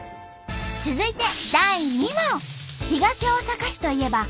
続いて第２問。